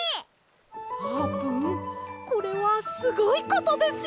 あーぷんこれはすごいことですよ！